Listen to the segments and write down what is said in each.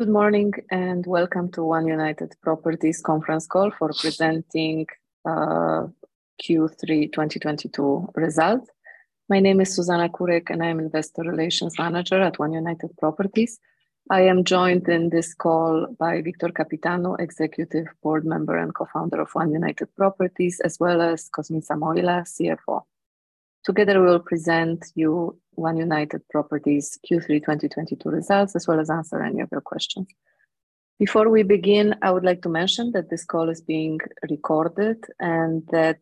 Good morning and welcome to One United Properties conference call for presenting Q3 2022 results. My name is Zuzanna Kurek, and I'm Investor Relations Manager at One United Properties. I am joined in this call by Victor Căpitanu, Executive Board Member and Co-Founder of One United Properties, as well as Cosmin Samoilă, CFO. Together, we will present you One United Properties Q3 2022 results, as well as answer any of your questions. Before we begin, I would like to mention that this call is being recorded and that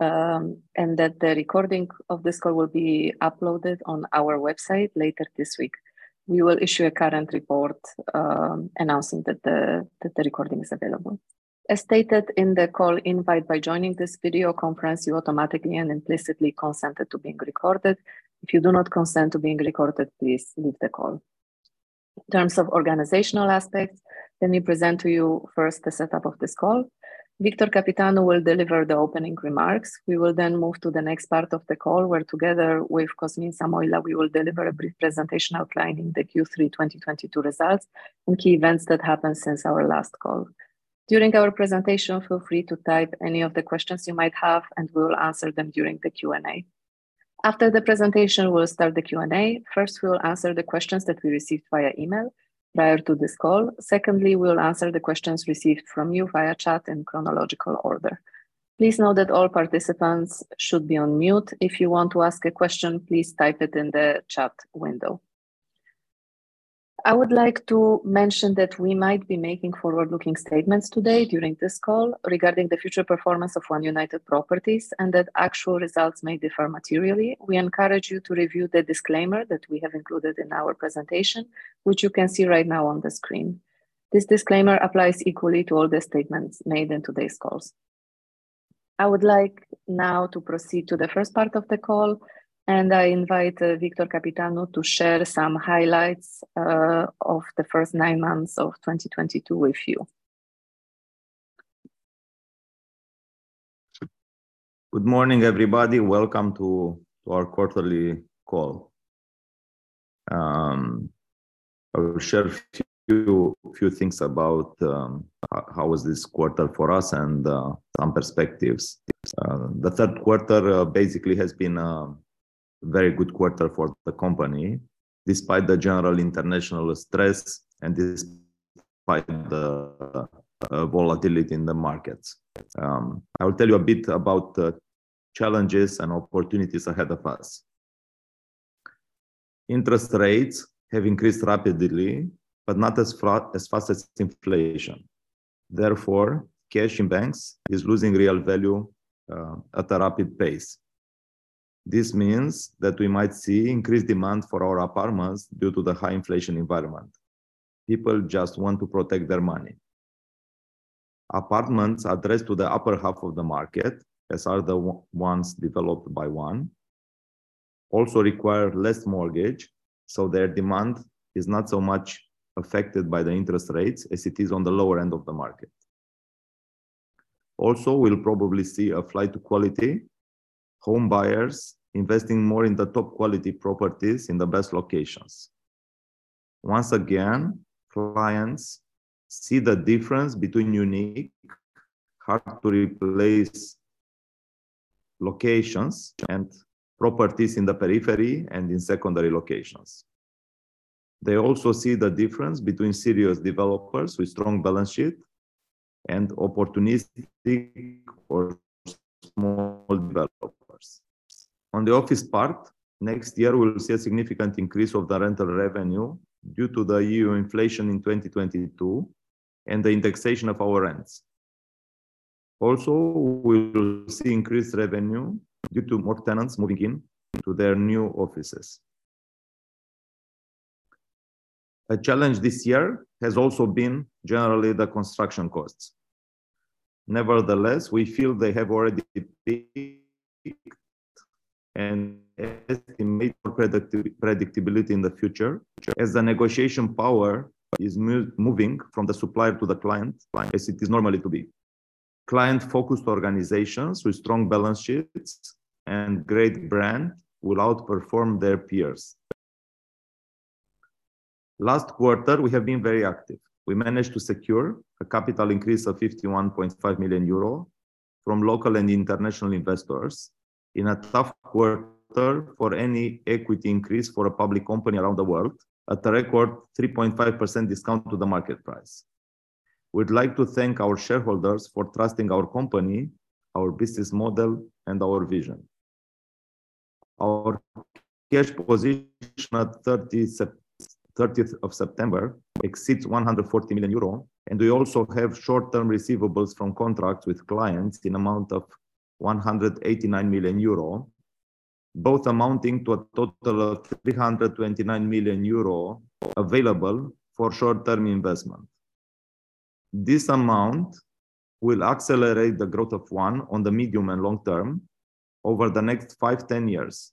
the recording of this call will be uploaded on our website later this week. We will issue a current report announcing that the recording is available. As stated in the call invite, by joining this video conference, you automatically and implicitly consent to it being recorded. If you do not consent to being recorded, please leave the call. In terms of organizational aspects, let me present to you first the setup of this call. Victor Căpitanu will deliver the opening remarks. We will then move to the next part of the call, where together with Cosmin Samoilă, we will deliver a brief presentation outlining the Q3 2022 results and key events that happened since our last call. During our presentation, feel free to type any of the questions you might have, and we will answer them during the Q&A. After the presentation, we'll start the Q&A. First, we will answer the questions that we received via email prior to this call. Secondly, we'll answer the questions received from you via chat in chronological order. Please note that all participants should be on mute. If you want to ask a question, please type it in the chat window. I would like to mention that we might be making Forward-Looking statements today during this call regarding the future performance of One United Properties and that actual results may differ materially. We encourage you to review the disclaimer that we have included in our presentation, which you can see right now on the screen. This disclaimer applies equally to all the statements made in today's calls. I would like now to proceed to the first part of the call, and I invite Victor Căpitanu to share some highlights of the first 9 months of 2022 with you. Good morning, everybody. Welcome to our quarterly call. I will share a few things about how was this 1/4 for us and some perspectives. The 1/3 1/4 basically has been a very good 1/4 for the company despite the general international stress and despite the volatility in the markets. I will tell you a bit about the challenges and opportunities ahead of us. Interest rates have increased rapidly, but not as fast as inflation. Therefore, cash in banks is losing real value at a rapid pace. This means that we might see increased demand for our apartments due to the high inflation environment. People just want to protect their money. Apartments addressed to the upper 1/2 of the market, as are the ones developed by One, also require less mortgage, so their demand is not so much affected by the interest rates as it is on the lower end of the market. Also, we'll probably see a flight to quality, home buyers investing more in the top quality properties in the best locations. Once again, clients see the difference between unique, hard to replace locations and properties in the periphery and in secondary locations. They also see the difference between serious developers with strong balance sheet and opportunistic or small developers. On the office part, next year, we'll see a significant increase of the rental revenue due to the yearly inflation in 2022 and the indexation of our rents. Also, we'll see increased revenue due to more tenants moving in to their new offices. A challenge this year has also been generally the construction costs. Nevertheless, we feel they have already peaked and as in major predictability in the future, as the negotiation power is moving from the supplier to the client, as it is normally to be. Client-focused organizations with strong balance sheets and great brand will outperform their peers. Last 1/4, we have been very active. We managed to secure a capital increase of 51.5 million euro from local and international investors in a tough 1/4 for any equity increase for a public company around the world at a record 3.5% discount to the market price. We'd like to thank our shareholders for trusting our company, our business model, and our vision. Our cash position at thirtieth of September exceeds 140 million euro, and we also have short-term receivables from contracts with clients in amount of 189 million euro, both amounting to a total of 329 million euro available for Short-Term investment. This amount will accelerate the growth of One on the medium and long term over the next 5, ten years.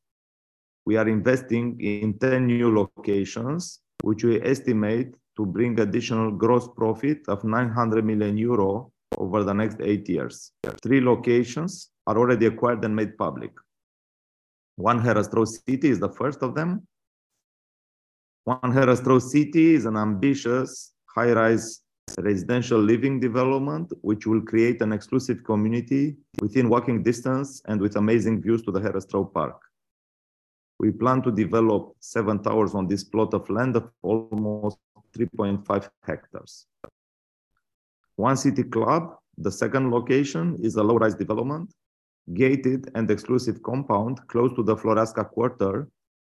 We are investing in 10 new locations, which we estimate to bring additional gross profit of 900 million euro over the next eight years. Three locations are already acquired and made public. One Herăstrău City is the first of them. One Herăstrău City is an ambitious High-Rise residential living development which will create an exclusive community within walking distance and with amazing views to the Herăstrău Park. We plan to develop 7 towers on this plot of land of almost 3.5 hectares. One City Club, the second location, is a Low-Rise development, gated and exclusive compound close to the Floreasca 1/4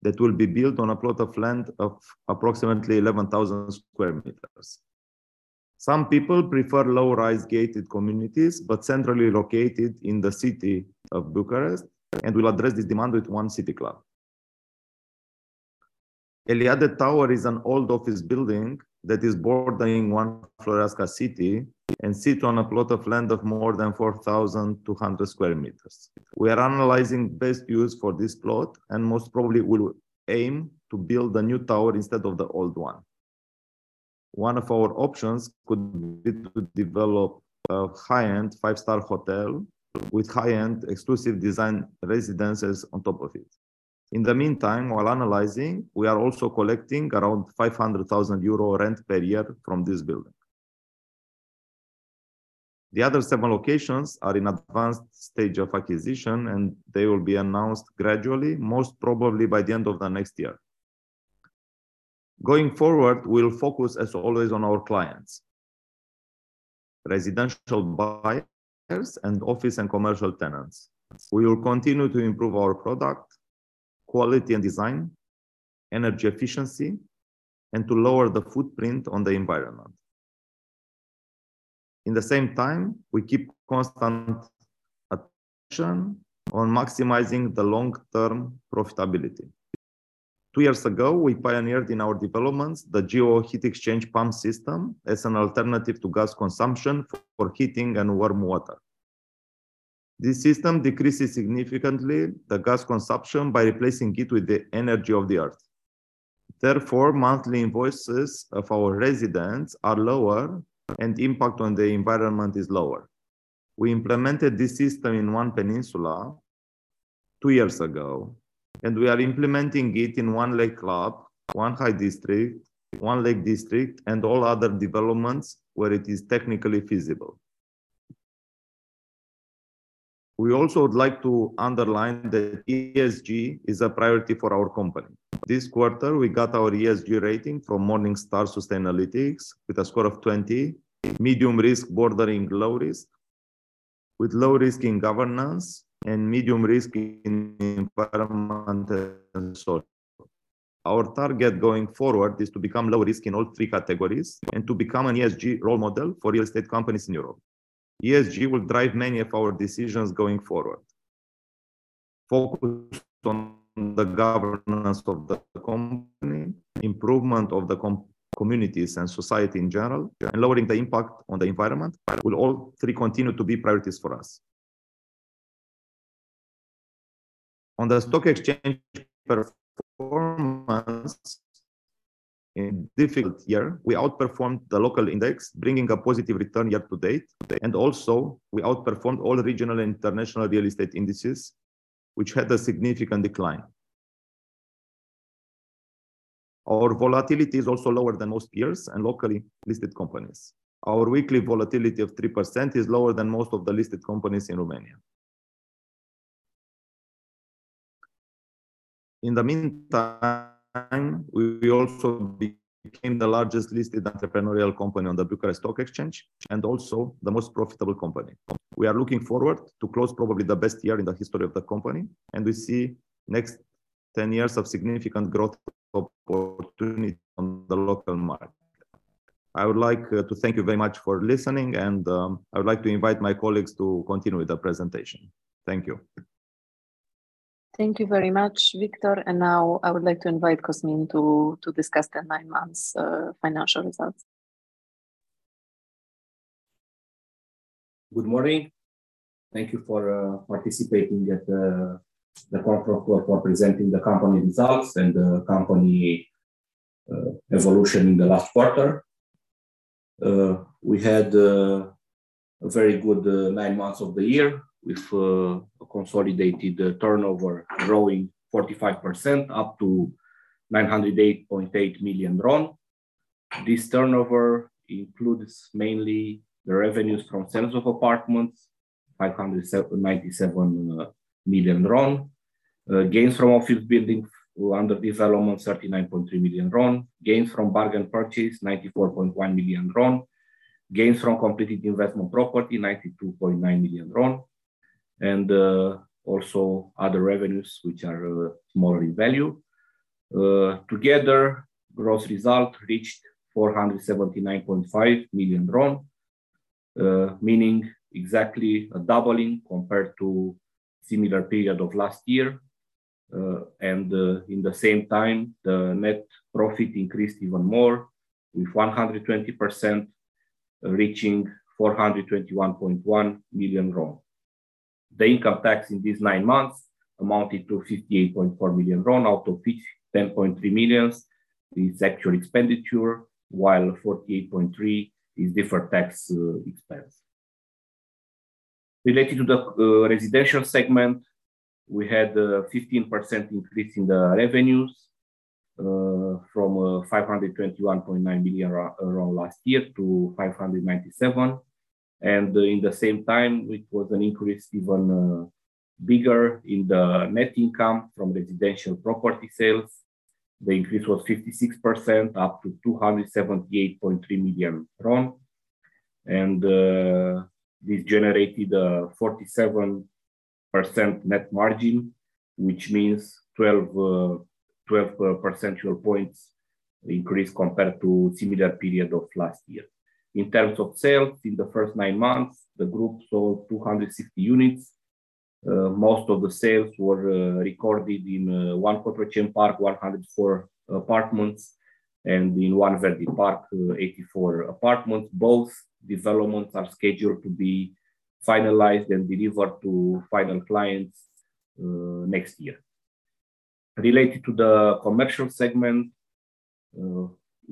that will be built on a plot of land of approximately 11,000 square meters. Some people prefer low-rise gated communities, but centrally located in the city of Bucharest, and we'll address this demand with One City Club. Eliade Tower is an old office building that is bordering One Floreasca City and sit on a plot of land of more than 4,200 square meters. We are analyzing best use for this plot and most probably will aim to build a new tower instead of the old one. One of our options could be to develop a High-End Five-Star hotel with High-End exclusive design residences on top of it. In the meantime, while analyzing, we are also collecting around 500,000 euro rent per year from this building. The other seven locations are in advanced stage of acquisition, and they will be announced gradually, most probably by the end of the next year. Going forward, we'll focus as always on our clients, residential buyers and office and commercial tenants. We will continue to improve our product, quality and design, energy efficiency, and to lower the footprint on the environment. At the same time, we keep constant attention on maximizing the long-term profitability. Two years ago, we pioneered in our developments the Geo-Exchange system as an alternative to gas consumption for heating and warm water. This system decreases significantly the gas consumption by replacing it with the energy of the earth. Therefore, monthly invoices of our residents are lower, and impact on the environment is lower. We implemented this system in One Peninsula 2 years ago, and we are implementing it in One Lake Club, One High District, One Lake District, and all other developments where it is technically feasible. We also would like to underline that ESG is a priority for our company. This 1/4, we got our ESG rating from Morningstar Sustainalytics with a score of 20, medium risk bordering low risk, with low risk in governance and medium risk in environmental and social. Our target going forward is to become low risk in all 3 categories and to become an ESG role model for real estate companies in Europe. ESG will drive many of our decisions going forward. Focus on the governance of the company, improvement of the communities and society in general, and lowering the impact on the environment will all 3 continue to be priorities for us. On the stock exchange performance, in a difficult year, we outperformed the local index, bringing a positive return year to date. Also we outperformed all regional and international real estate indices, which had a significant decline. Our volatility is also lower than most peers and locally listed companies. Our weekly volatility of 3% is lower than most of the listed companies in Romania. In the meantime, we also became the largest listed entrepreneurial company on the Bucharest Stock Exchange and also the most profitable company. We are looking forward to close probably the best year in the history of the company, and we see next 10 years of significant growth opportunity on the local market. I would like to thank you very much for listening and I would like to invite my colleagues to continue with the presentation. Thank you. Thank you very much, Victor. Now I would like to invite Cosmin to discuss the nine months financial results. Good morning. Thank you for participating at the corporate call for presenting the company results and the company evolution in the last 1/4. We had a very good nine months of the year with a consolidated turnover growing 45% up to RON 908.8 million. This turnover includes mainly the revenues from sales of apartments, RON 597 million. Gains from office buildings under development, RON 39.3 million. Gains from bargain purchase, RON 94.1 million. Gains from completed investment property, RON 92.9 million. Also other revenues which are smaller in value. Together, gross result reached RON 479.5 million, meaning exactly a doubling compared to similar period of last year. In the same time, the net profit increased even more with 120%, reaching RON 421.1 million. The income tax in these nine months amounted to RON 58.4 million, out of which 10.3 million is actual expenditure, while 48.3 million is deferred tax expense. Related to the residential segment, we had a 15% increase in the revenues from RON 521.9 million last year to RON 597 million. In the same time, it was an increase even bigger in the net income from residential property sales. The increase was 56% up to RON 278.3 million. This generated a 47% net margin, which means 12 percentage points increase compared to similar period of last year. In terms of sales, in the first nine months, the group sold 260 units. Most of the sales were recorded in One Cotroceni Park, 104 apartments, and in One Verdi Park, 84 apartments. Both developments are scheduled to be finalized and delivered to final clients next year. Related to the commercial segment,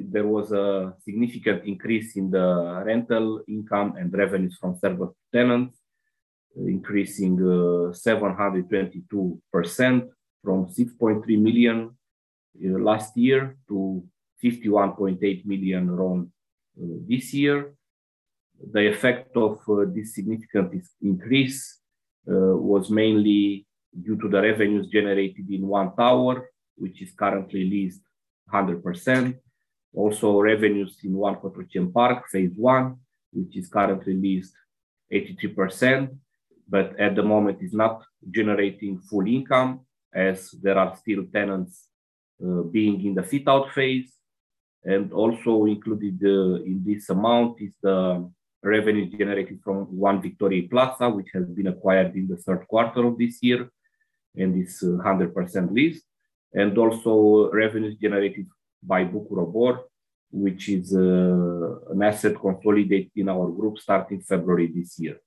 there was a significant increase in the rental income and revenues from several tenants, increasing 722% from RON 6.3 million last year to RON 51.8 million this year. The effect of this significant increase was mainly due to the revenues generated in One Tower, which is currently leased 100%. Revenues in One Cotroceni Park, phase one, which is currently leased 82%. At the moment it is not generating full income as there are still tenants being in the Fit-Out phase. Also included in this amount is the revenue generated from One Victoriei Plaza, which has been acquired in the 1/3 1/4 of this year, and is 100% leased. Also revenues generated by Bucur Obor, which is an asset consolidated in our group starting February this year.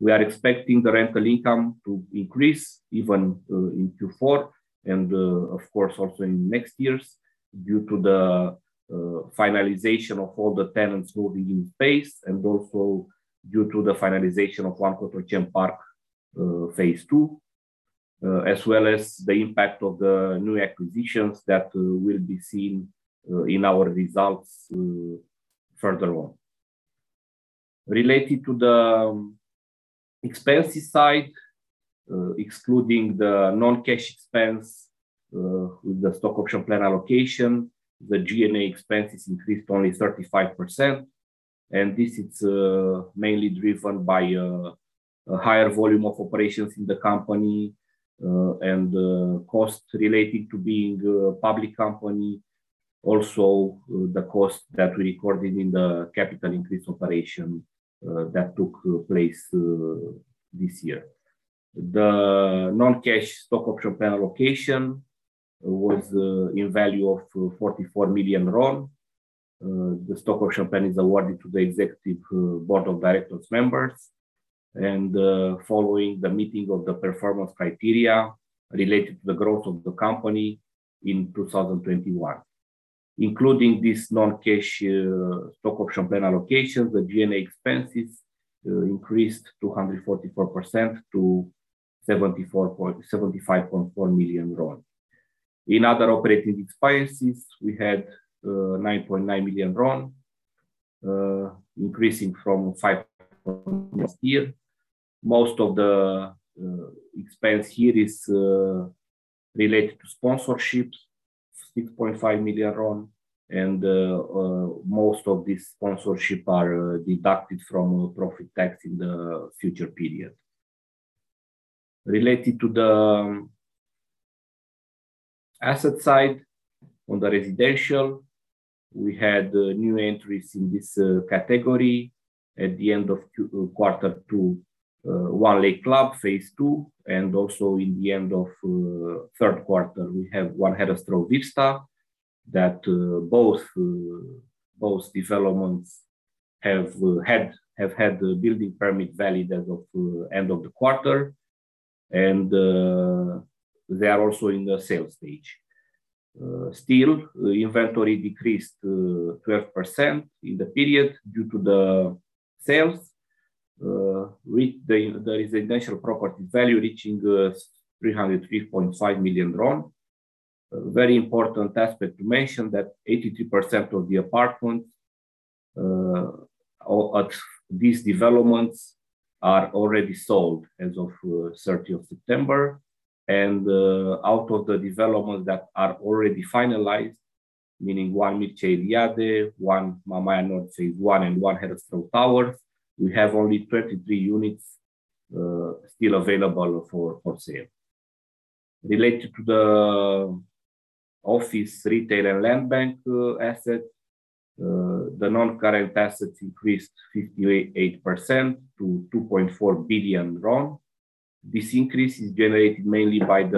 We are expecting the rental income to increase even in Q4 and of course also in next years due to the finalization of all the tenants moving in phase and also due to the finalization of One Cotroceni Park phase 2 as well as the impact of the new acquisitions that will be seen in our results further on. Related to the expenses side, excluding the Non-Cash expense with the stock option plan allocation, the G&A expenses increased only 35%, and this is mainly driven by a higher volume of operations in the company and costs related to being a public company. Also, the cost that we recorded in the capital increase operation that took place this year. The Non-Cash stock option plan allocation was in value of RON 44 million. The stock option plan is awarded to the executive board of directors members. Following the meeting of the performance criteria related to the growth of the company in 2021. Including this non-cash stock option plan allocations, the G&A expenses increased 244% to RON 75.4 million. In other operating expenses, we had RON 9.9 million, increasing from RON 5.9 million last year. Most of the expense here is related to sponsorships, RON 6.5 million, and most of these sponsorships are deducted from profit tax in the future period. Related to the asset side on the residential, we had new entries in this category. At the end of 1/4 2, One Lake Club, phase 2, and also in the end of 1/3 1/4, we have One Herăstrău Vista, that both developments have had the building permit valid as of end of the 1/4. They are also in the sales stage. Still, inventory decreased 12% in the period due to the sales, with the residential property value reaching 303.5 million RON. A very important aspect to mention that 82% of the apartments at these developments are already sold as of 30th September. Out of the developments that are already finalized, meaning One Mircea Eliade, One Mamaia Nord phase one, and One Herăstrău Towers, we have only 33 units still available for sale. Related to the office, retail, and land bank assets, the non-current assets increased 58% to RON 2.4 billion. This increase is generated mainly by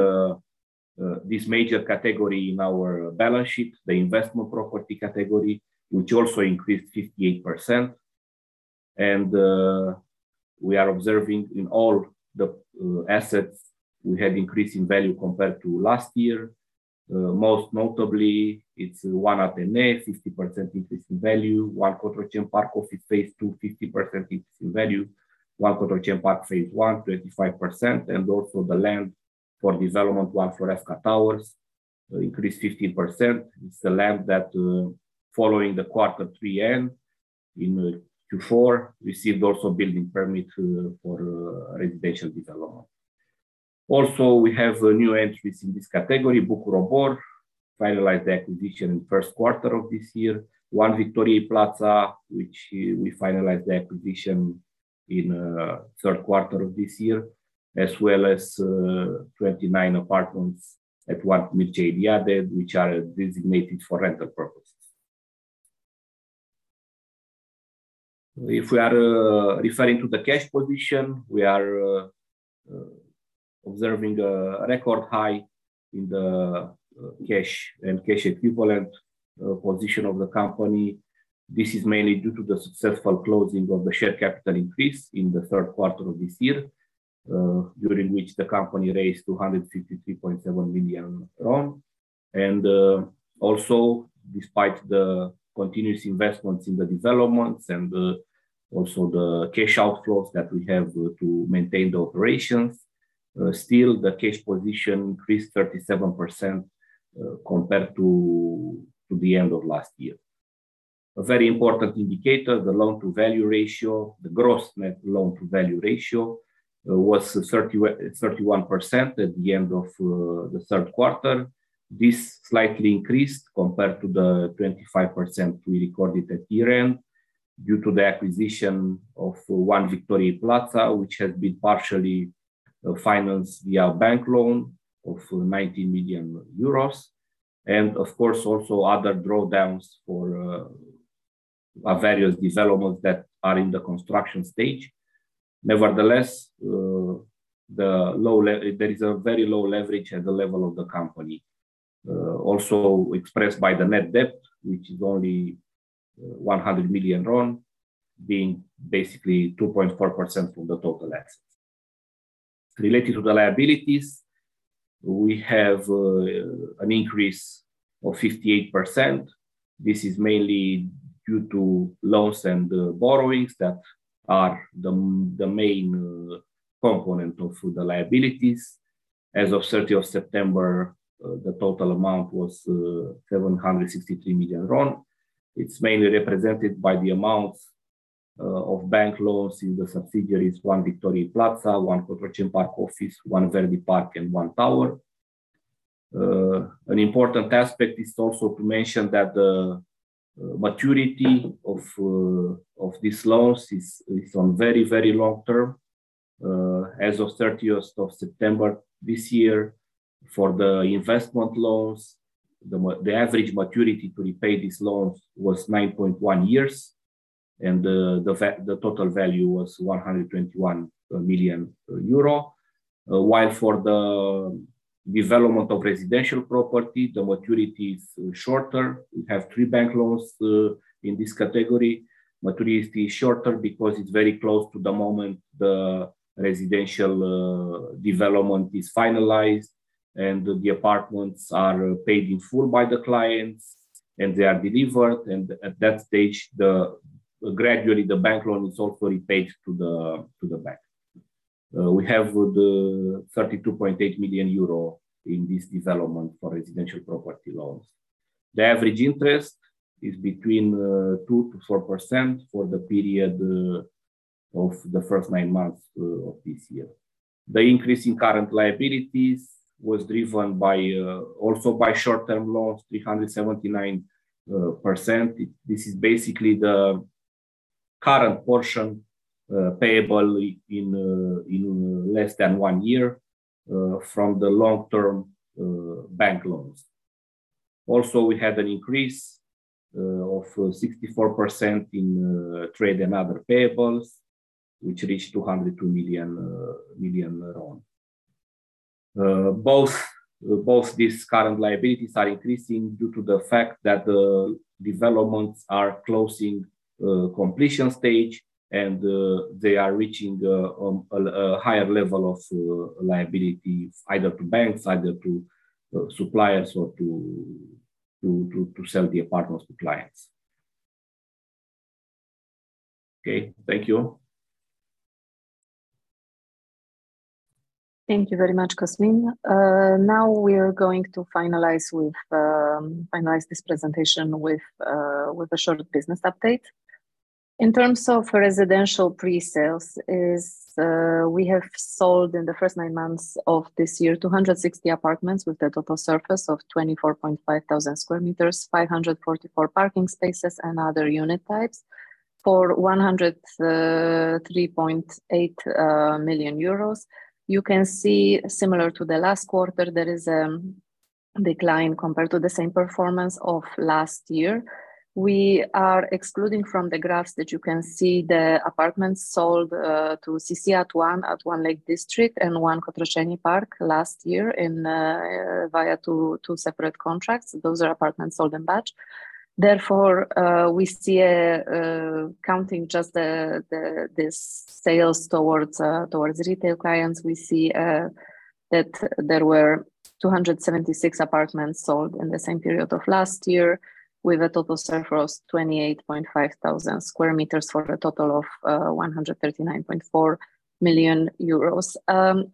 this major category in our balance sheet, the investment property category, which also increased 58%. We are observing in all the assets, we had increase in value compared to last year. Most notably, it's One Athénée, 60% increase in value. One Cotroceni Park office phase 2, 50% increase in value. One Cotroceni Park phase one, 25%. The land for development One Floreasca Towers increased 15%. It's the land that, following the 1/4 3 end in Q4, received also building permit for residential development. We have new entries in this category. Bucur Obor, finalized the acquisition in first 1/4 of this year. One Victoriei Plaza, which we finalized the acquisition in 1/3 1/4 of this year, as well as 29 apartments at One Mircea Eliade, which are designated for rental purposes. If we are referring to the cash position, we are observing a record high in the cash and cash equivalent position of the company. This is mainly due to the successful closing of the share capital increase in the 1/3 1/4 of this year, during which the company raised RON 253.7 million. Also despite the continuous investments in the developments and also the cash outflows that we have to maintain the operations, still the cash position increased 37% compared to the end of last year. A very important indicator, the loan-to-value ratio. The gross net Loan-To-Value ratio was 31% at the end of the 1/3 1/4. This slightly increased compared to the 25% we recorded at Year-End due to the acquisition of One Victoriei Plaza, which has been partially financed via bank loan of 19 million euros and of course also other drawdowns for various developments that are in the construction stage. Nevertheless, there is a very low leverage at the level of the company, also expressed by the net debt, which is only RON 100 million, being basically 2.4% from the total assets. Related to the liabilities, we have an increase of 58%. This is mainly due to loans and borrowings that are the main component of the liabilities. As of 30 September, the total amount was RON 763 million. It's mainly represented by the amounts of bank loans in the subsidiaries One Victoriei Plaza, One Cotroceni Park Office, One Verdi Park, and One Tower. An important aspect is also to mention that the maturity of these loans is on very long term. As of 30th September this year, for the investment loans, the average maturity to repay these loans was 9.1 years, and the total value was 121 million euro. While for the development of residential property, the maturity is shorter. We have 3 bank loans in this category. Maturity is still shorter because it's very close to the moment the residential development is finalized and the apartments are paid in full by the clients, and they are delivered. At that stage, gradually the bank loan is also repaid to the bank. We have 32.8 million euro in this development for residential property loans. The average interest is between 2%-4% for the period of the first nine months of this year. The increase in current liabilities was driven by also by Short-Term loans, 379%. This is basically the current portion payable in less than one year from the long-term bank loans. Also, we had an increase of 64% in trade and other payables, which reached RON 202 million. Both these current liabilities are increasing due to the fact that the developments are closing completion stage, and they are reaching a higher level of liability, either to banks or to suppliers or to sell the apartments to clients. Okay, thank you. Thank you very much, Cosmin. Now we're going to finalize this presentation with a short business update. In terms of residential Pre-Sales, we have sold in the first nine months of this year 260 apartments with a total surface of 24,500 square meters, 544 parking spaces and other unit types for 103.8 million euros. You can see similar to the last 1/4, there is a decline compared to the same performance of last year. We are excluding from the graphs that you can see the apartments sold to CCI at One Lake District and One Cotroceni Park last year via 2 separate contracts. Those are apartments sold in batch. Therefore, we see, counting just the sales towards retail clients, we see that there were 276 apartments sold in the same period of last year with a total surface of 28.5 thousand square meters for a total of 139.4 million euros.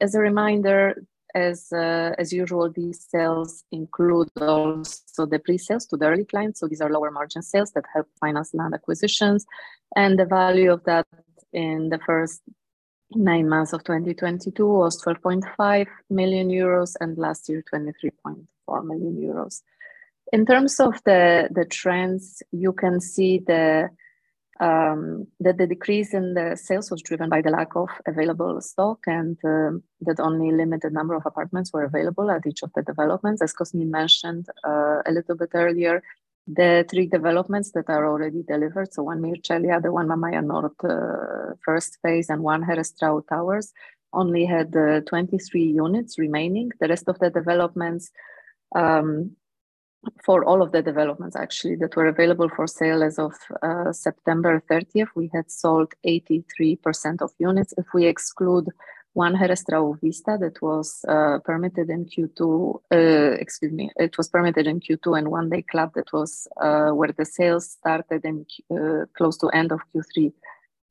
As a reminder, as usual, these sales include also the Pre-Sales to the early clients. These are lower margin sales that help finance land acquisitions. The value of that in the first nine months of 2022 was 12.5 million euros, and last year 23.4 million euros. In terms of the trends, you can see that the decrease in the sales was driven by the lack of available stock, and that only limited number of apartments were available at each of the developments. As Cosmin mentioned, a little bit earlier, the 3 developments that are already delivered, so One Mircea Eliade, the One Mamaia Nord, first phase, and One Herăstrău Towers only had 23 units remaining. The rest of the developments, for all of the developments actually that were available for sale as of September thirtieth, we had sold 83% of units. If we exclude One Herăstrău Vista that was permitted in Q2. Excuse me, it was Pre-Sold in Q2 at One Lake Club, where the sales started close to end of Q3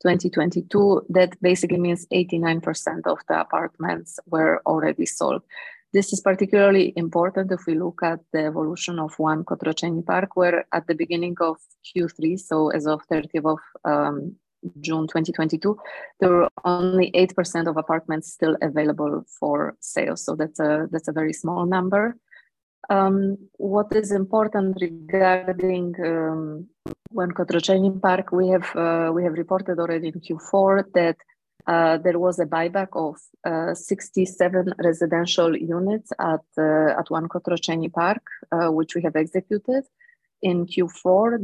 2022. That basically means 89% of the apartments were already sold. This is particularly important if we look at the evolution of One Cotroceni Park, where at the beginning of Q3, so as of 30th of June 2022, there were only 8% of apartments still available for sale. That's a very small number. What is important regarding One Cotroceni Park, we have reported already in Q4 that there was a buyback of 67 residential units at One Cotroceni Park, which we have executed in Q4.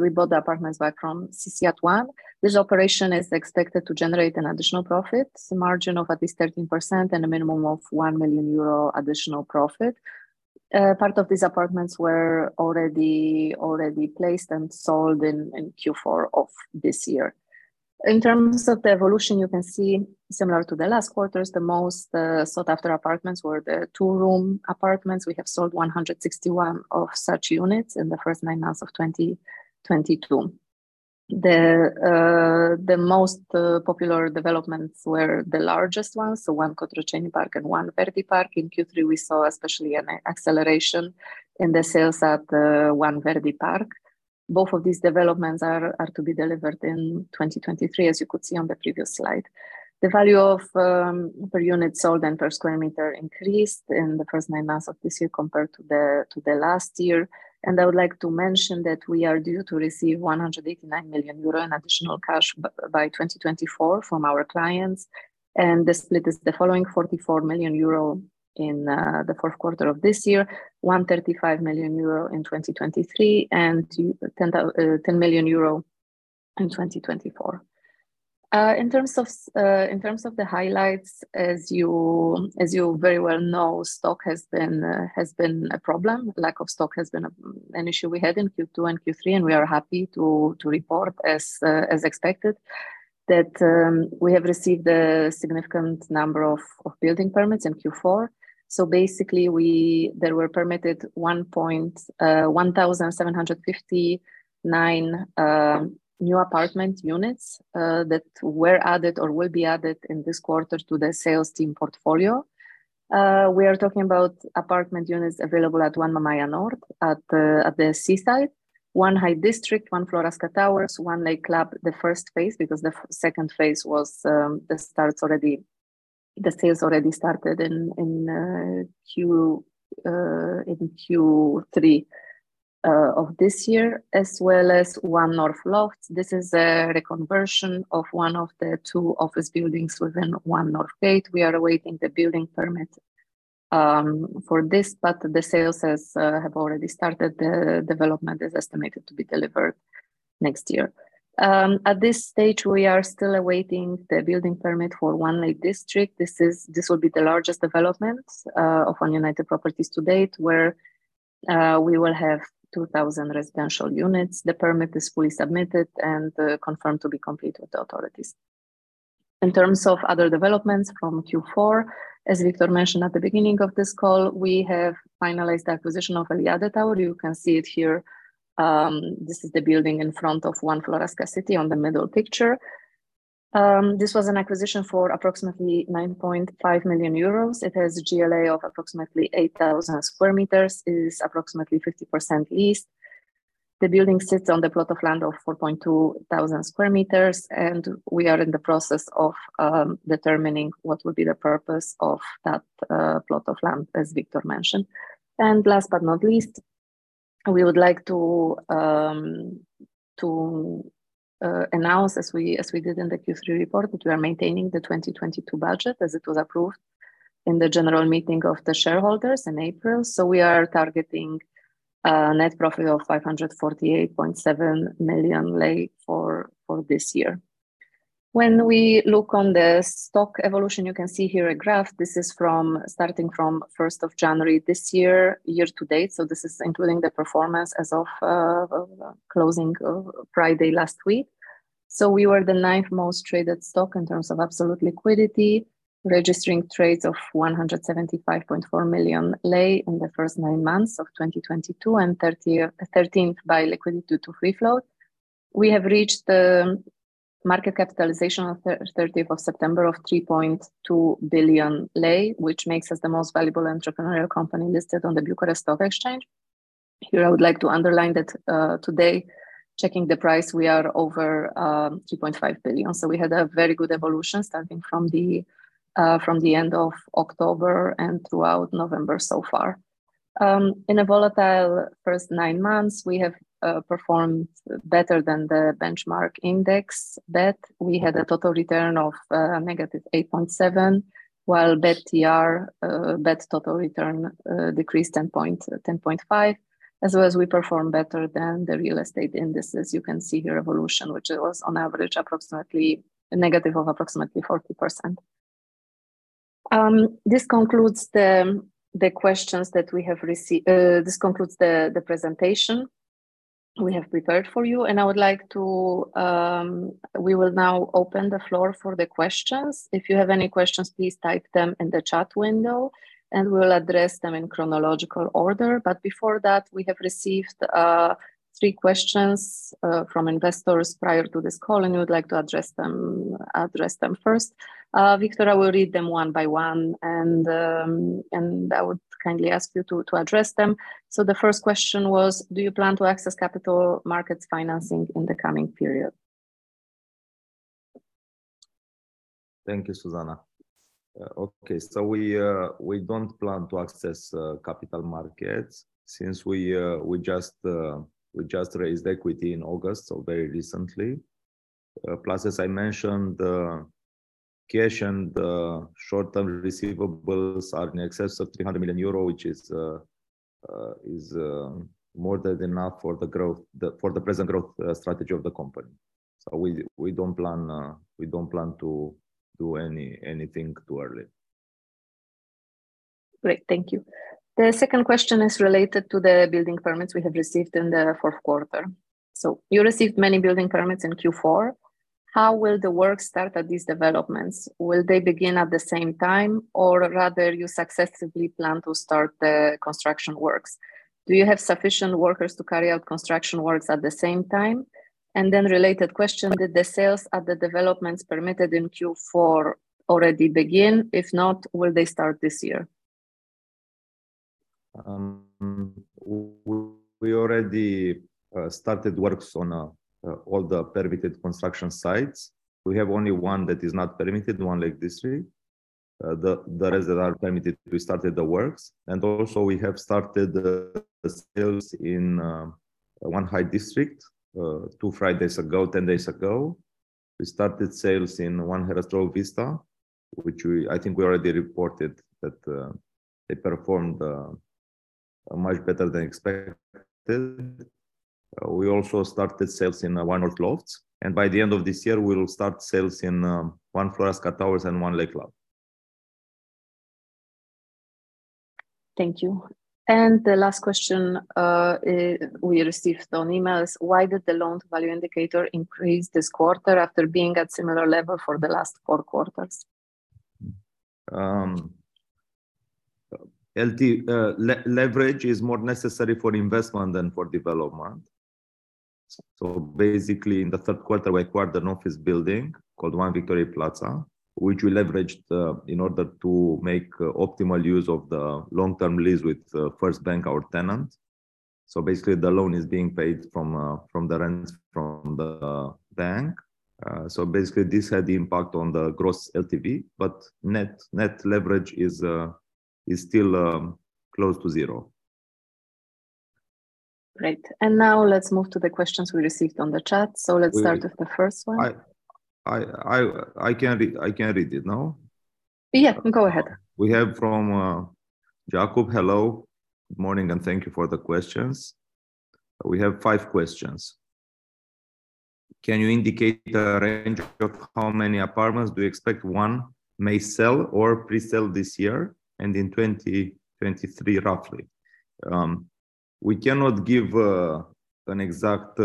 We bought the apartments back from CCI One. This operation is expected to generate an additional profit margin of at least 13% and a minimum of 1 million euro additional profit. Part of these apartments were already placed and sold in Q4 of this year. In terms of the evolution, you can see similar to the last quarters, the most sought-after apartments were the 2-room apartments. We have sold 161 of such units in the first nine months of 2022. The most popular developments were the largest ones, so One Cotroceni Park and One Verdi Park. In Q3, we saw especially an acceleration in the sales at One Verdi Park. Both of these developments are to be delivered in 2023, as you could see on the previous slide. The value of per unit sold and per square meter increased in the first nine months of this year compared to the last year. I would like to mention that we are due to receive 189 million euro in additional cash by 2024 from our clients. The split is the following: 44 million euro in the fourth 1/4 of this year, 135 million euro in 2023, and 10 million euro in 2024. In terms of the highlights, as you very well know, stock has been a problem. Lack of stock has been an issue we had in Q2 and Q3, and we are happy to report as expected that we have received a significant number of building permits in Q4. Basically, there were permitted 1,759 new apartment units that were added or will be added in this 1/4 to the sales team portfolio. We are talking about apartment units available at One Mamaia Nord at the seaside, One High District, One Floreasca Towers, One Lake Club the first phase, because the second phase sales already started in Q3 of this year, as well as One North Lofts. This is a reconversion of one of the 2 office buildings within One North Gate. We are awaiting the building permit for this, but the sales have already started. The development is estimated to be delivered next year. At this stage, we are still awaiting the building permit for One Lake District. This will be the largest development of One United Properties to date, where we will have 2,000 residential units. The permit is fully submitted and confirmed to be complete with the authorities. In terms of other developments from Q4, as Victor mentioned at the beginning of this call, we have finalized the acquisition of Eliade Tower. You can see it here. This is the building in front of One Floreasca City on the middle picture. This was an acquisition for approximately 9.5 million euros. It has a GLA of approximately 8,000 square meters. It is approximately 50% leased. The building sits on the plot of land of 4,200 square meters, and we are in the process of determining what will be the purpose of that plot of land, as Victor mentioned. Last but not least, we would like to announce as we did in the Q3 report, that we are maintaining the 2022 budget as it was approved in the general meeting of the shareholders in April. We are targeting a net profit of RON 548.7 million for this year. When we look on the stock evolution, you can see here a graph. This is from starting from first of January this year to date. This is including the performance as of closing of Friday last week. We were the ninth most traded stock in terms of absolute liquidity, registering trades of RON 175.4 million in the first nine months of 2022 and 13th by liquidity to free float. We have reached the market capitalization of 30th of September of RON 3.2 billion, which makes us the most valuable entrepreneurial company listed on the Bucharest Stock Exchange. Here, I would like to underline that, today, checking the price, we are over RON 3.5 billion. We had a very good evolution starting from the end of October and throughout November so far. In a volatile first nine months, we have performed better than the benchmark index that we had a total return of -8.7%, while BET TR, BET total return, decreased 10.5%. As well as we perform better than the real estate indices. You can see here evolution, which was on average approximately a negative of approximately 40%. This concludes the presentation we have prepared for you. We will now open the floor for the questions. If you have any questions, please type them in the chat window, and we will address them in chronological order. Before that, we have received 3 questions from investors prior to this call, and we would like to address them first. Victor, I will read them one by one and I would kindly ask you to address them. The first question was: Do you plan to access capital markets financing in the coming period? Thank you, Zuzanna. We don't plan to access capital markets since we just raised equity in August, so very recently. Plus, as I mentioned, cash and Short-Term receivables are in excess of EUR 300 million, which is more than enough for the present growth strategy of the company. We don't plan to do anything too early. Great. Thank you. The second question is related to the building permits we have received in the fourth 1/4. You received many building permits in Q4. How will the work start at these developments? Will they begin at the same time, or rather you successfully plan to start the construction works? Do you have sufficient workers to carry out construction works at the same time? Related question, did the sales at the developments permitted in Q4 already begin? If not, will they start this year? We already started works on all the permitted construction sites. We have only one that is not permitted, One Lake District. The rest that are permitted, we started the works. We have started the sales in One High District 2 Fridays ago, ten days ago. We started sales in One Herăstrău Vista, which I think we already reported that they performed much better than expected. We also started sales in One North Lofts, and by the end of this year, we will start sales in One Floreasca Towers and One Lake club. Thank you. The last question we received on email is: Why did the loan-to-value indicator increase this 1/4 after being at similar level for the last four 1/4s? LTV, leverage is more necessary for investment than for development. In the 1/3 1/4, we acquired an office building called One Victoriei Plaza, which we leveraged in order to make optimal use of the long-term lease with First Bank, our tenant. The loan is being paid from the rents from the bank. This had the impact on the gross LTV, but net leverage is still close to zero. Great. Now let's move to the questions we received on the chat. Let's start with the first one. I can read it, no? Yeah, go ahead. We have from Jakub Caithaml. Hello. Good morning, and thank you for the questions. We have 5 questions. Can you indicate the range of how many apartments do you expect One may sell or pre-sell this year and in 2023, roughly? We cannot give an exact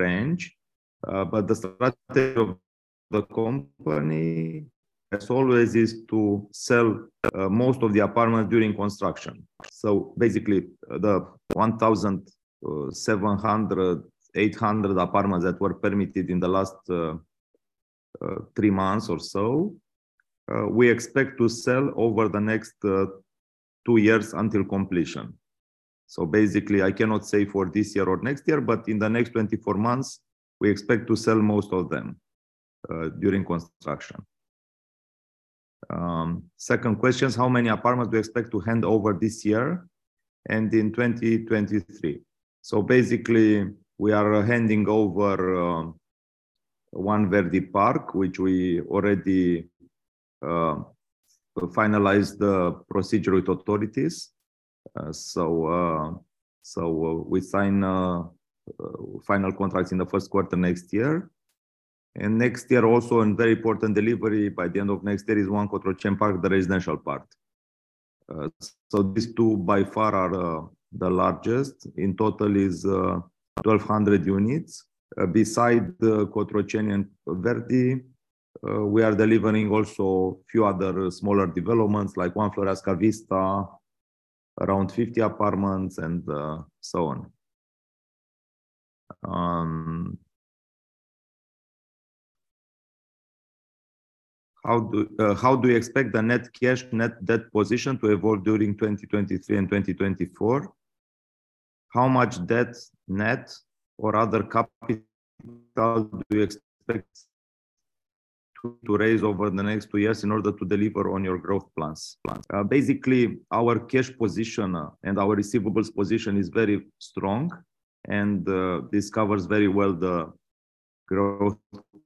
range, but the strategy of the company, as always, is to sell most of the apartments during construction. Basically, the 1,700-800 apartments that were permitted in the last 3 months or so, we expect to sell over the next 2 years until completion. Basically, I cannot say for this year or next year, but in the next 24 months, we expect to sell most of them during construction. Second question is how many apartments we expect to hand over this year and in 2023. Basically, we are handing over One Verdi Park, which we already finalized the procedure with authorities. We sign final contracts in the first 1/4 next year. Next year, also a very important delivery by the end of next year is One Cotroceni Park, the residential park. These 2 by far are the largest. In total is 1,200 units. Besides the Cotroceni and Verdi, we are delivering also few other smaller developments like One Floreasca Vista, around 50 apartments and so on. How do you expect the net cash/net debt position to evolve during 2023 and 2024? How much debt, net or other capital do you expect to raise over the next 2 years in order to deliver on your growth plans? Basically, our cash position and our receivables position is very strong and this covers very well the growth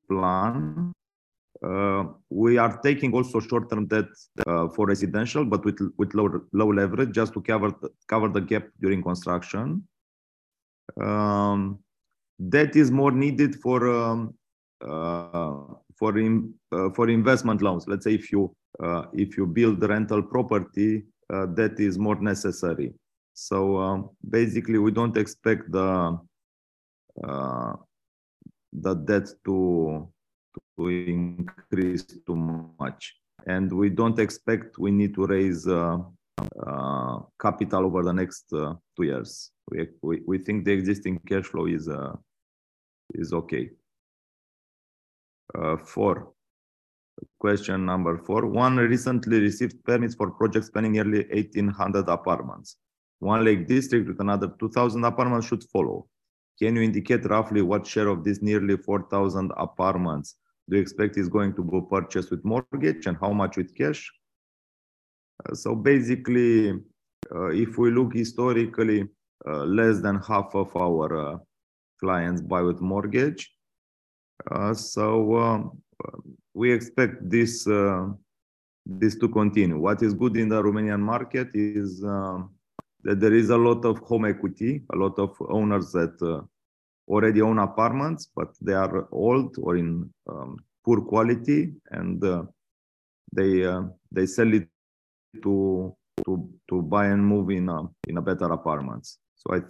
plan. We are taking also Short-Term debt for residential, but with low leverage just to cover the gap during construction. Debt is more needed for investment loans. Let's say if you build the rental property, debt is more necessary. Basically we don't expect the debt to increase too much. We don't expect we need to raise capital over the next 2 years. We think the existing cashflow is okay. Four. Question number four. One recently received permits for projects spanning nearly 1,800 apartments. One Lake District with another 2,000 apartments should follow. Can you indicate roughly what share of these nearly 4,000 apartments do you expect is going to be purchased with mortgage and how much with cash? Basically, if we look historically, less than 1/2 of our clients buy with mortgage. We expect this to continue. What is good in the Romanian market is that there is a lot of home equity, a lot of owners that already own apartments, but they are old or in poor quality and they sell it to buy and move in a better apartments. I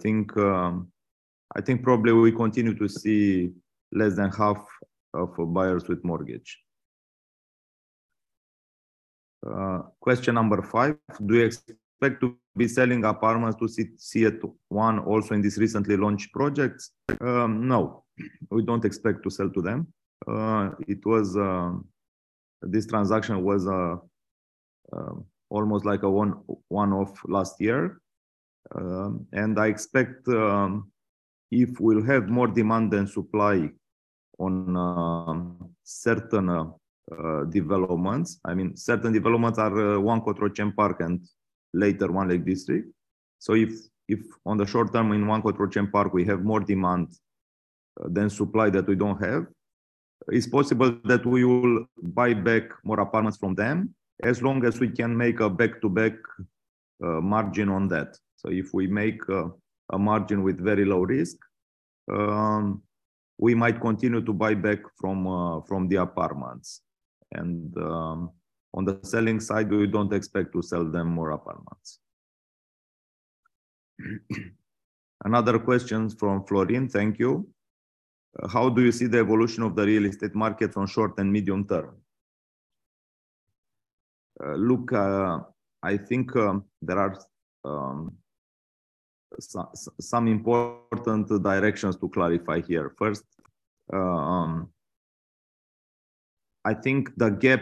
think probably we continue to see less than 1/2 of buyers with mortgage. Question number 5: Do you expect to be selling apartments to CCI One also in these recently launched projects? No, we don't expect to sell to them. This transaction was almost like a one-off last year. I expect if we'll have more demand than supply on certain developments. I mean, certain developments are One Cotroceni Park and later One Lake District. If on the short term in One Cotroceni Park we have more demand than supply that we don't have, it's possible that we will buy back more apartments from them as long as we can make a Back-To-Back margin on that. If we make a margin with very low risk, we might continue to buy back from the apartments. On the selling side, we don't expect to sell them more apartments. Another question from Florin. Thank you. How do you see the evolution of the real estate market on short and medium term? Look, I think there are some important directions to clarify here. First, I think the gap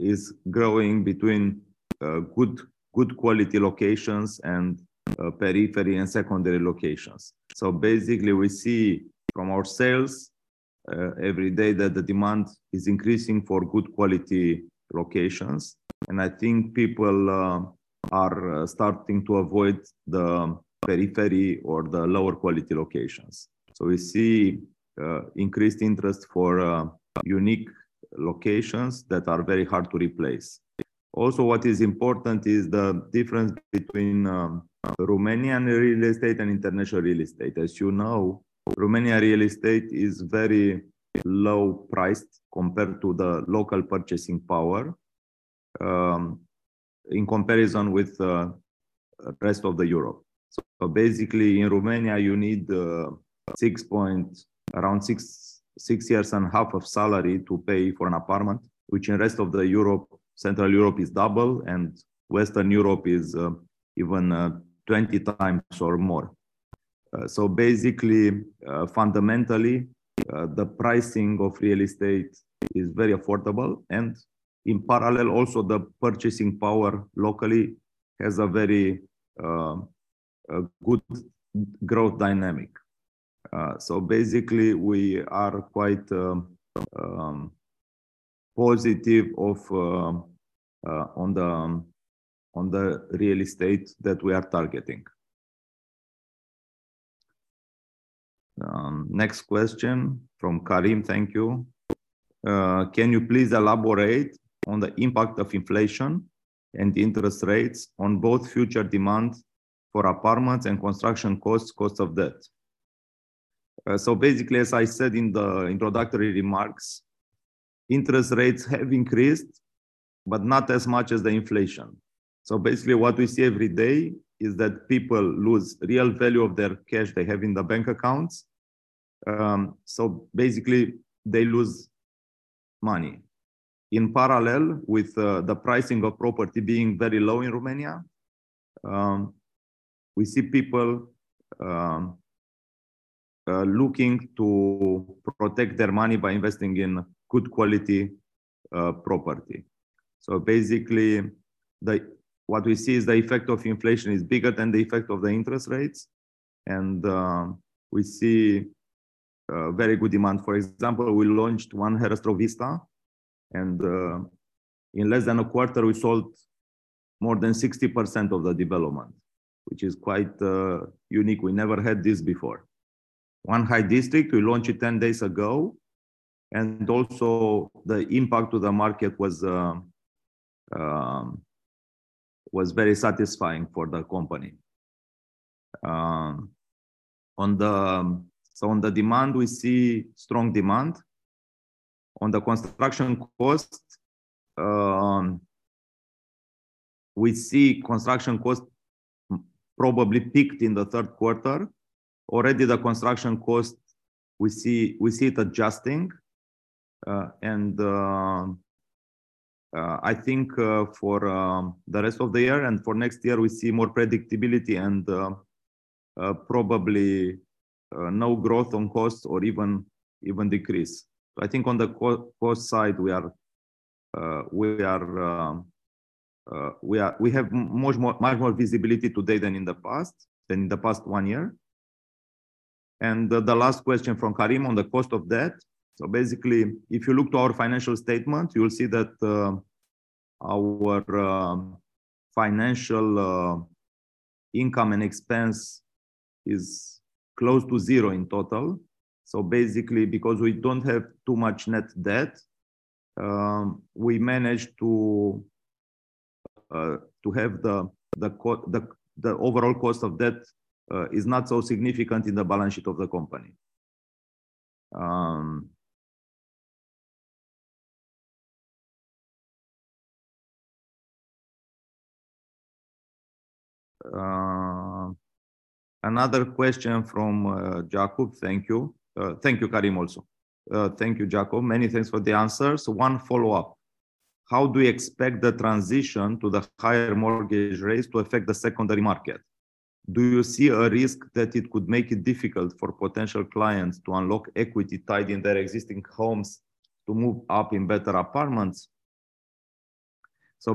is growing between good quality locations and periphery and secondary locations. Basically we see from our sales every day that the demand is increasing for good quality locations. I think people are starting to avoid the periphery or the lower quality locations. We see increased interest for unique locations that are very hard to replace. Also, what is important is the difference between Romanian real estate and international real estate. As you know, Romanian real estate is very low priced compared to the local purchasing power in comparison with rest of Europe. Basically, in Romania, you need around 6 years and 1/2 of salary to pay for an apartment, which in rest of Europe, Central Europe, is double, and Western Europe is even 20 times or more. Fundamentally, the pricing of real estate is very affordable, and in parallel also, the purchasing power locally has a very good growth dynamic. Basically we are quite positive on the real estate that we are targeting. Next question from Karim. Thank you. Can you please elaborate on the impact of inflation and interest rates on both future demand for apartments and construction costs, cost of debt? Basically, as I said in the introductory remarks, interest rates have increased, but not as much as the inflation. Basically, what we see every day is that people lose real value of their cash they have in the bank accounts. Basically they lose money. In parallel with the pricing of property being very low in Romania, we see people looking to protect their money by investing in good quality property. Basically, what we see is the effect of inflation is bigger than the effect of the interest rates and we see very good demand. For example, we launched One Herăstrău Vista and in less than a 1/4 we sold more than 60% of the development, which is quite unique. We never had this before. One High District, we launched it 10 days ago, and also the impact to the market was very satisfying for the company. On the demand, we see strong demand. On the construction cost, we see construction cost probably peaked in the 1/3 1/4. Already the construction cost we see, we see it adjusting, and I think for the rest of the year and for next year, we see more predictability and probably no growth on costs or even decrease. I think on the cost side, we have much more visibility today than in the past one year. The last question from Karim on the cost of debt. Basically if you look to our financial statement, you will see that our financial income and expense is close to zero in total. Basically, because we don't have too much net debt, we managed to have the overall cost of debt is not so significant in the balance sheet of the company. Another question from Jakub. Thank you. Thank you Karim also. Thank you, Jakub. Many thanks for the answers. One follow-up. How do you expect the transition to the higher mortgage rates to affect the secondary market? Do you see a risk that it could make it difficult for potential clients to unlock equity tied in their existing homes to move up in better apartments?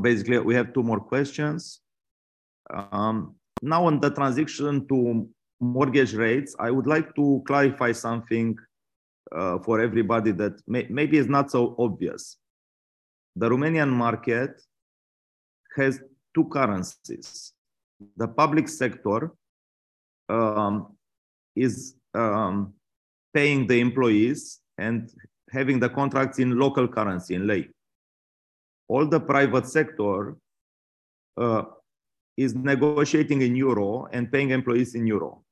Basically we have 2 more questions. Now on the transition to mortgage rates, I would like to clarify something for everybody that maybe is not so obvious. The Romanian market has 2 currencies. The public sector is paying the employees and having the contracts in local currency, in lei. All the private sector is negotiating in euro and paying employees in euro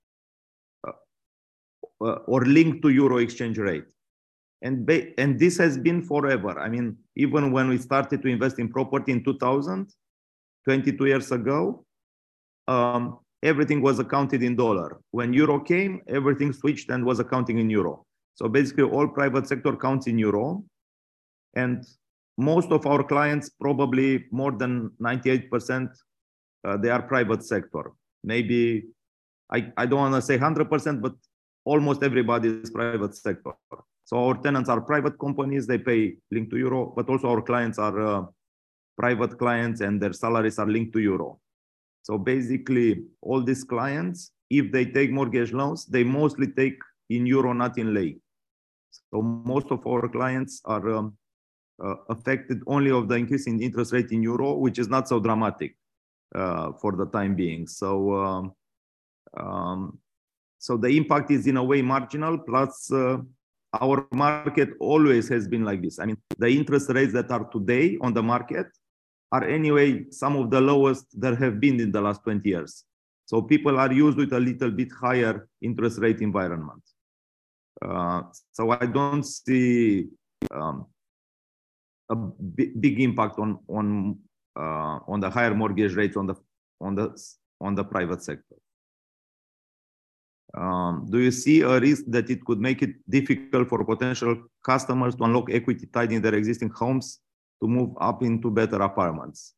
or linked to euro exchange rate. This has been forever. I mean, even when we started to invest in property in 2000, 22 years ago, everything was accounted in dollar. When euro came, everything switched and was accounting in euro. Basically all private sector accounts in euro and most of our clients, probably more than 98%, they are private sector. Maybe I don't wanna say 100%, but almost everybody is private sector. Our tenants are private companies. They pay linked to euro, but also our clients are private clients and their salaries are linked to euro. Basically all these clients, if they take mortgage loans, they mostly take in euro, not in lei. Most of our clients are affected only of the increase in interest rate in euro, which is not so dramatic for the time being. The impact is in a way marginal plus our market always has been like this. I mean, the interest rates that are today on the market are anyway some of the lowest there have been in the last 20 years. People are used with a little bit higher interest rate environment. I don't see a big impact on the higher mortgage rates on the private sector. Do you see a risk that it could make it difficult for potential customers to unlock equity tied in their existing homes to move up into better apartments?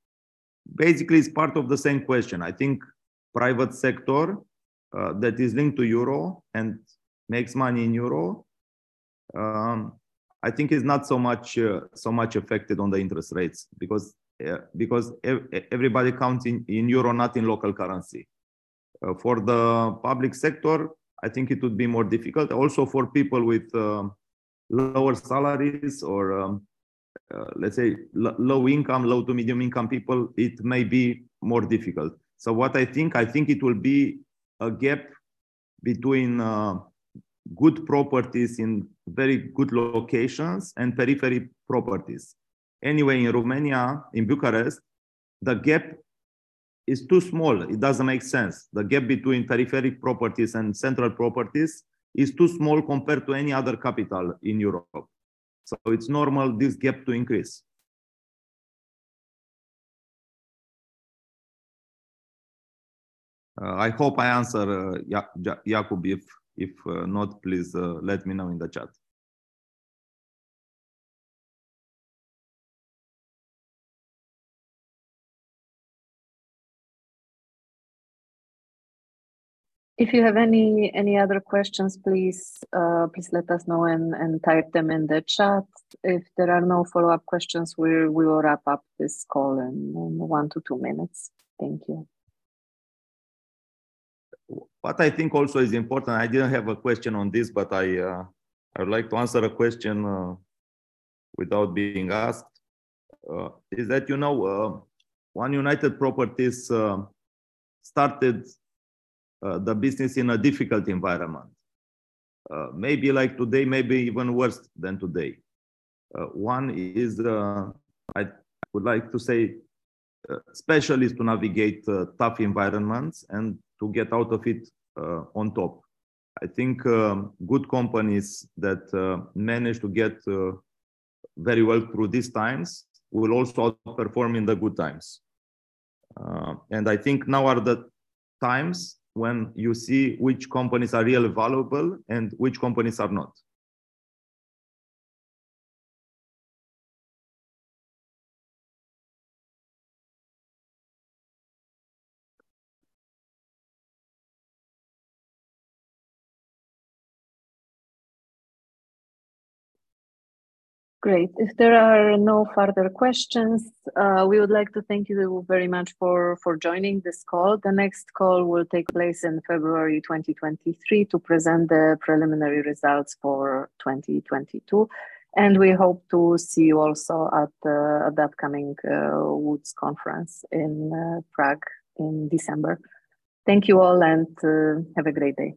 Basically, it's part of the same question. I think private sector that is linked to euro and makes money in euro, I think is not so much affected on the interest rates because everybody counts in euro, not in local currency. For the public sector, I think it would be more difficult also for people with lower salaries or, let's say low income, low to medium income people, it may be more difficult. What I think, it will be a gap between good properties in very good locations and periphery properties. Anyway, in Romania, in Bucharest, the gap is too small. It doesn't make sense. The gap between periphery properties and central properties is too small compared to any other capital in Europe. It's normal this gap to increase. I hope I answer, Jakub. If not, please let me know in the chat. If you have any other questions, please let us know and type them in the chat. If there are no follow-up questions, we will wrap up this call in 1-2 minutes. Thank you. What I think also is important. I didn't have a question on this, but I would like to answer a question without being asked is that, you know, when One United Properties started the business in a difficult environment, maybe like today, maybe even worse than today, I would like to say specialist to navigate tough environments and to get out of it on top. I think good companies that manage to get very well through these times will also outperform in the good times. I think now are the times when you see which companies are really valuable and which companies are not. Great. If there are no further questions, we would like to thank you very much for joining this call. The next call will take place in February 2023 to present the preliminary results for 2022. We hope to see you also at the upcoming Wood & Company Conference in Prague in December. Thank you all, and have a great day.